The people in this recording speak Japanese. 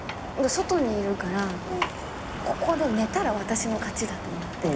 外にいるからここで寝たら私の勝ちだと思って。